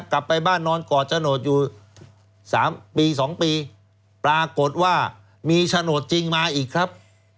กลับไปบ้านนอนกอดโฉนดอยู่๓ปี๒ปีปรากฏว่ามีโฉนดจริงมาอีกครับ